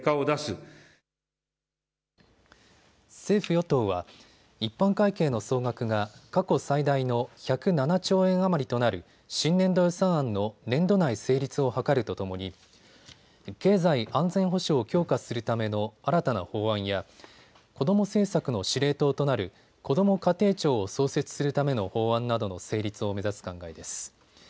政府与党は一般会計の総額が過去最大の１０７兆円余りとなる新年度予算案の年度内成立を図るとともに経済安全保障を強化するための新たな法案や子ども政策の司令塔となるこども家庭庁を創設するための法案などの成立を目指す考えです。